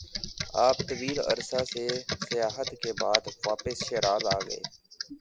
آپ طویل عرصہ سے سیاحت کے بعدواپس شیراز آگئے-